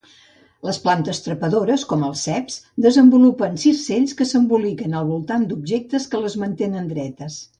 Les plantes trepadores, com els ceps, desenvolupen circells que s'emboliquen al voltant d'objectes que les mantenen dretes.